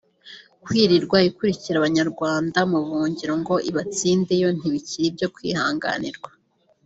kwirirwa ikurikira abanyarwanda mu buhungiro ngo ibatsindeyo ……ntibikiri ibyo kwihanganirwa